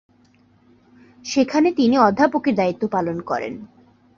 সেখানে তিনি অধ্যাপকের দায়িত্ব পালন করেন।